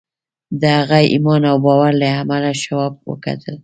د هغه ایمان او باور له امله شواب وګټل